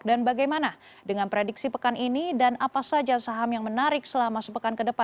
dan bagaimana dengan prediksi pekan ini dan apa saja saham yang menarik selama sepekan ke depan